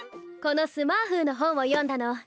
このスマーフーの本を読んだの。